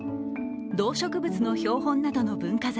動植物の標本などの文化財